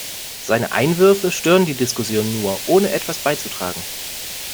Seine Einwürfe stören die Diskussion nur, ohne etwas beizutragen.